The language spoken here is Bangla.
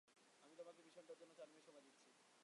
আমি তোমাকে মিশনটার জন্য চার মিনিট সময় দিচ্ছি।